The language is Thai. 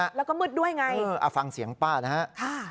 แล้วก็มืดด้วยไงเออเอาฟังเสียงป้านะฮะ